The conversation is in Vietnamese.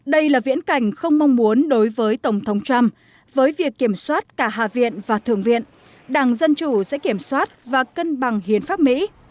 đây là viễn cảnh không mong muốn đối với tổng thống trump với việc kiểm soát cả hạ viện và thượng viện đảng dân chủ sẽ kiểm soát và cân bằng hiến pháp mỹ